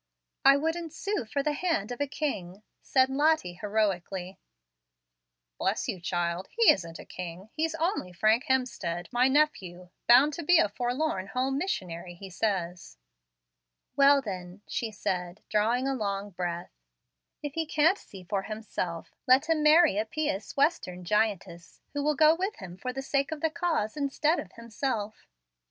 "I wouldn't sue for the hand of a king," said Lottie, heroically. "Bless you, child, he isn't a king. He's only Frank Hemstead, my nephew, bound to be a forlorn home missionary, he says." "Well, then," she said, drawing a long breath, "if he can't see for himself, let him marry a pious Western giantess, who will go with him for the sake of the cause instead of himself."